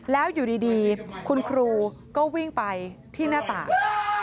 แล้วอยู่ดีคุณครูก็วิ่งไปที่หน้าต่าง